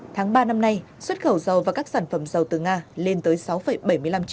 tháng ba năm nay xuất khẩu dầu và các sản phẩm dầu từ nga lên tới sáu bảy mươi năm triệu thùng mỗi ngày